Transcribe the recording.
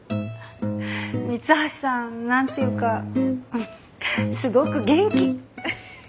三橋さん何て言うかすごく元気。